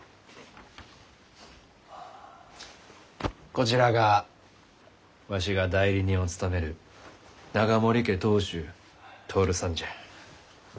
こちらがわしが代理人を務める永守家当主徹さんじゃ。